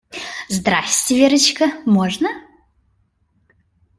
Здрасте, Верочка, можно?